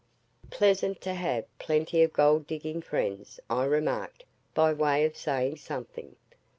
"Pleasant to have plenty of gold digging friends," I remarked, by way of saying something.